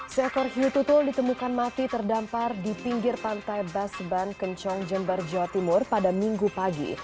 seekor hiu tutul ditemukan mati terdampar di pinggir pantai basban kencong jember jawa timur pada minggu pagi